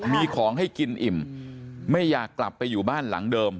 มีของให้กินอิ่มไม่อยากกลับไปอยู่บ้านหลังเดิม